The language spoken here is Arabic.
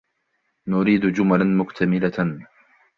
نريد جملا مكتملة.